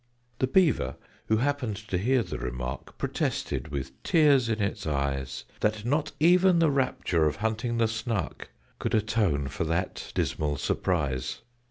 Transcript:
The Beaver, who happened to hear the remark, Protested, with tears in its eyes, That not even the rapture of hunting the Snark Could atone for that dismal surprise!